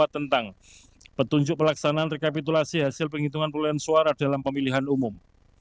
tentang petunjuk pelaksanaan rekapitulasi hasil penghitungan perolehan suara dalam pemilihan umum